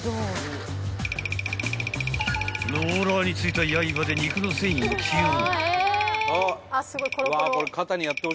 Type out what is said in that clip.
［ローラーについた刃で肉の繊維を切る］